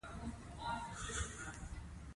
آمو سیند د افغانستان د طبیعت د ښکلا برخه ده.